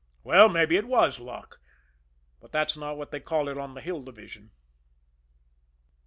Well, maybe it was luck but that's not what they call it on the Hill Division.